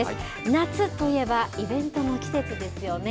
夏といえば、イベントの季節ですよね。